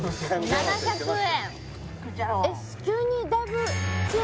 ７００円